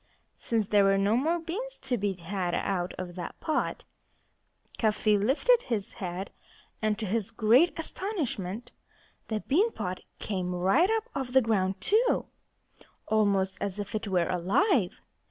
Since there were no more beans to be had out of that pot, Cuffy lifted his head. And to his great astonishment the bean pot came right up off the ground too, almost as if it were alive.